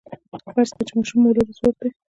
فرض کړئ چې ماشوم مؤلده ځواک دی.